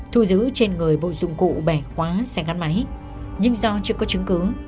thu giữ trên người bộ dụng cụ bẻ khóa xe gắn máy nhưng do chưa có chứng cứ